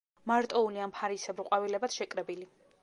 მარტოული ან ფარისებრ ყვავილებად შეკრებილი.